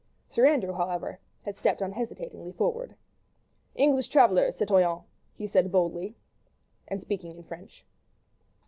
Sir Andrew, however, had stepped unhesitatingly forward. "English travellers, citoyen!" he said boldly, and speaking in French.